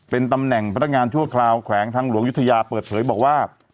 เป็นตำแหน่งพนักงานชั่วคราวแขวงทางหลวงยุธยาเปิดเผยบอกว่า